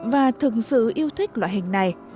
và thực sự yêu thích loại hình này